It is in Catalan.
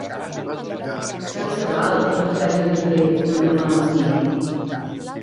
Tant se val el que hagi de fer l'endemà al matí.